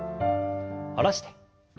下ろして。